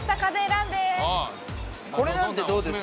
これなんてどうですか？